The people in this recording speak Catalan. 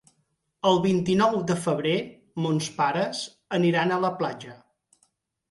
El vint-i-nou de febrer mons pares aniran a la platja.